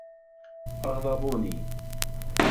أغضبوني.